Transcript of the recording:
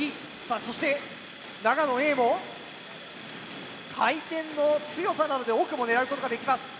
そして長野Ａも回転の強さなどで奥も狙うことができます。